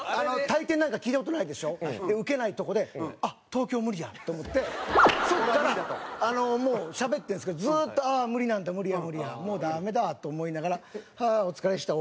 「退店なんか聞いた事ないでしょ？」がウケないとこで「あっ東京無理や」と思ってそこからしゃべってるんですけどずっと「ああ無理なんだ無理や無理やもうダメだ」と思いながら「ハアお疲れっした。